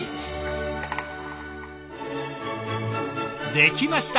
できました！